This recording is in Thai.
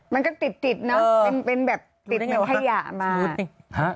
มันก็ติดนะเป็นแบบติดแม่งขยะมา